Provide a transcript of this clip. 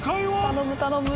頼む頼む。